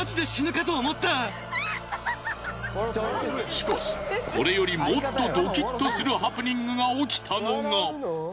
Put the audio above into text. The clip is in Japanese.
しかしこれよりもっとドキッとするハプニングが起きたのが。